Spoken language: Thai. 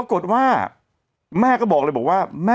ปรากฏว่าแม่ก็บอกเลยบอกว่า